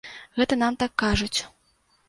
Гэта нам так кажуць.